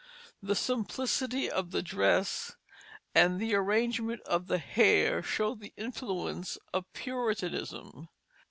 The simplicity of the dress and arrangement of the hair show the influence of Puritanism.